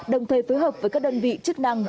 đồng thời phối hợp với các đơn vị chức năng